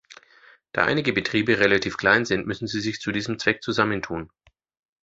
Da einige Betriebe relativ klein sind, müssen sie sich zu diesem Zweck zusammentun.